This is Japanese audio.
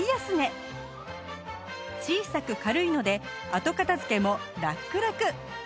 小さく軽いので後片付けもラックラク